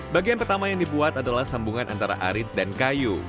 bagian pertama yang dibuat adalah sambungan antara arit dan kayu